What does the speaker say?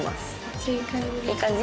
いい感じ？